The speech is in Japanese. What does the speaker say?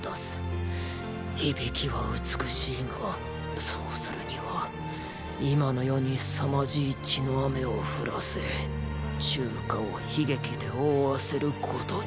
響きは美しいがそうするには今の世に凄まじい血の雨を降らせ中華を悲劇で覆わせることになる。